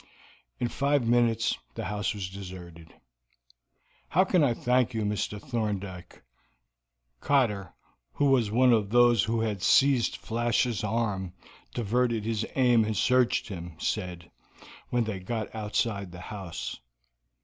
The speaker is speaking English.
In five minutes the house was deserted. "How can I thank you, Mr. Thorndyke?" Cotter, who was one of those who had seized Flash's arm, diverted his aim and searched him, said, when they got outside the house.